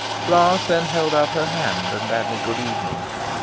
Blanche then held out her hand and bade me good evening.